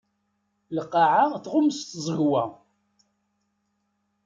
Lqaɛa tɣumm s tẓegwa.